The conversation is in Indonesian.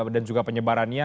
dan juga penyebarannya